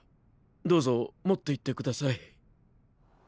どうぞ持っていってください。